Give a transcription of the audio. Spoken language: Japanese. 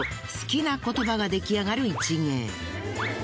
好きな言葉が出来上がる一芸。